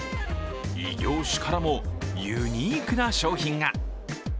異業種からもユニークな商品が。